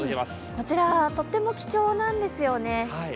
こちらはとても貴重なんですよね。